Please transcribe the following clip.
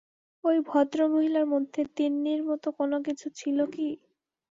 ঐ ভদ্রমহিলার মধ্যে তিন্নির মতো কোনো কিছু ছিল কি?